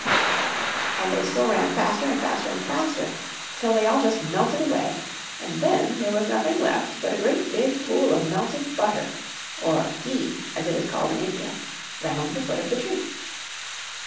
And they still ran faster and faster and faster, till they all just melted away, and then there was nothing left but a great big pool of melted butter (or "ghi" as it is called in India) round the foot of the tree.